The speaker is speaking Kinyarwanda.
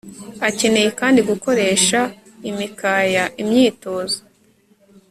Akeneye kandi gukoresha imikaya imyitozo